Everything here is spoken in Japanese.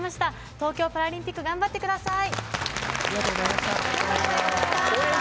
東京パラリンピック頑張ってください。